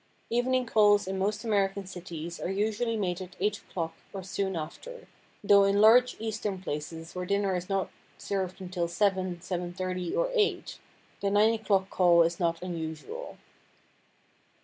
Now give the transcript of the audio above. Evening calls in most American cities are usually made at eight o'clock or soon after, though in large eastern places where dinner is not served until seven, seven thirty or eight, the nine o'clock call is not unusual.